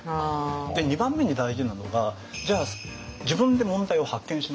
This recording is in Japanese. で２番目に大事なのがじゃあ自分で問題を発見しましたと。